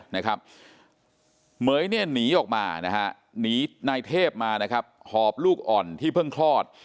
หมไม่หนีออกมาหนีนายเทพมาหอบลูกอ่อนที่เพิ่งคลอด